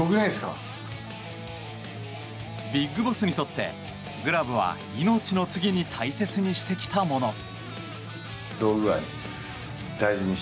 ＢＩＧＢＯＳＳにとってグラブは命の次に大切にしてきたもの。